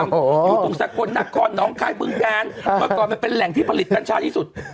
อยู่ตรงสัครนักกอนน้องค่ายภึกห้างเมื่อก่อนมันเป็นแหล่งที่ผลิตกานชาติที่สุด